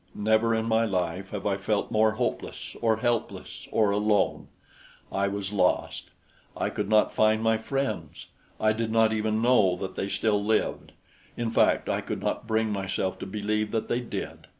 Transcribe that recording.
Never in my life have I felt more hopeless or helpless or alone. I was lost. I could not find my friends. I did not even know that they still lived; in fact, I could not bring myself to believe that they did.